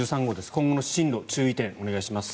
今後の注意点、お願いします。